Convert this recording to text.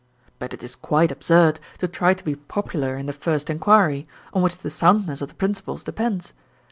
But it is quite absurd to try to be popular in the first inquiry, on which the soundness of the principles depends.